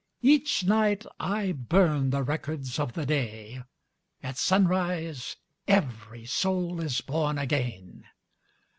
Each night I burn the records of the day, — At sunrise every soul is born again